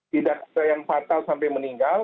tidak yang fatah sampai meninggal